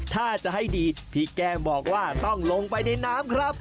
ถ้าจะให้ดีพี่แก้มบอกว่าต้องลงไปในน้ำครับ